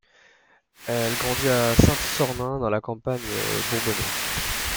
Elle grandit à Saint-Sornin, dans la campagne bourbonnaise.